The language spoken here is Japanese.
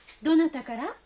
どなたから？